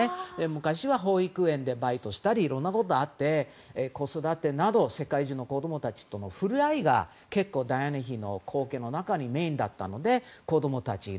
昔は保育園でバイトしたりといろいろあって子育てなど、世界中の子供たちとの触れ合いが結構ダイアナ妃の光景の中でメインだったので子供たちがいる。